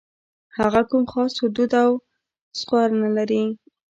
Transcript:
هغه کوم خاص حدود او ثغور نه لري.